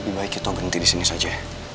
lebih baik kita berhenti di sini saja